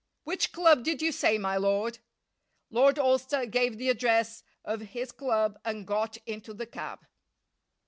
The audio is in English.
"Which club did you say, my lord?" Lord Alcester gave the address of his club and got into the cab.